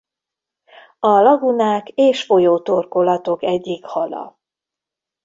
A lagúnák és folyótorkolatok egyik hala.